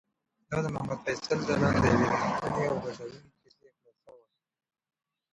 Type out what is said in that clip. دا د محمد فیصل ځلاند د یوې رښتونې او دردونکې کیسې خلاصه وه.